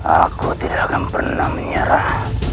aku tidak akan pernah menyerah